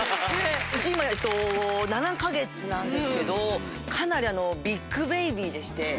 うち今えっと７か月なんですけどかなりビッグベビーでして。